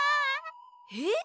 えっ？